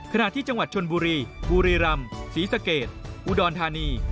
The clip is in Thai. ขณะที่จังหวัดชนบุรีบุรีรำศรีสะเกดอุดรธานี